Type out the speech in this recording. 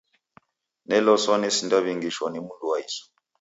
Neloswa nesindaw'ingishwa ni mndu wa isu.